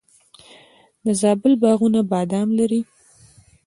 د زابل باغونه بادام لري.